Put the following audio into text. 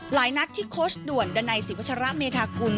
หลายนัดที่โค้ชด่วนดันัยศิวัชระเมธากุล